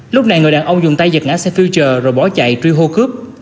lúc này người đàn ông dùng tay giật ngã xe future rồi bỏ chạy truy hô cướp